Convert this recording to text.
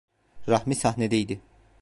Rahmi sahnedeydi…